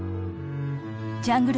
ジャングル